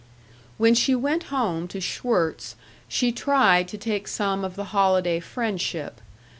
When she went home to Schwirtz she tried to take some of the holiday friendship.